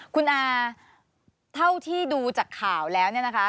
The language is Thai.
คุณอาเท่าที่ดูจากข่าวแล้วเนี่ยนะคะ